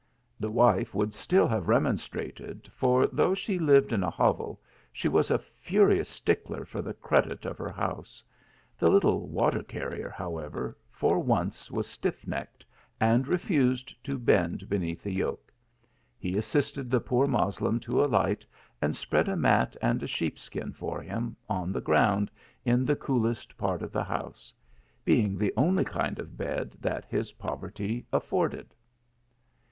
" The wife would still have remonstrated, for, though she lived in a hovel, she was a furious stick ler for the credit of her house ; the little water car 104 THE ALIIAMBEA, rier, however, for once was stiff necked, and refused to bend beneath the yoke. He assisted the poor Moslem to alight, and spread a mat and a sheep skin for him, on the ground, in the coolest part of the house; being the only kind of bed that his poverty afforded.